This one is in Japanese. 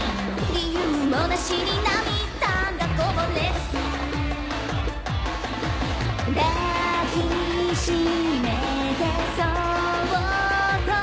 「理由もなしに涙がこぼれだす」「抱きしめてそっと」